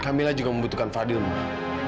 kamila juga membutuhkan fadil mak